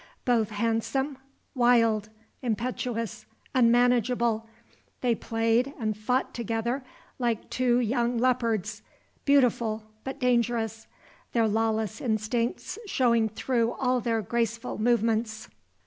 Both handsome, wild, impetuous, unmanageable, they played and fought together like two young leopards, beautiful, but dangerous, their lawless instincts showing through all their graceful movements.